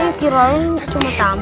ini kira kira cuma tambang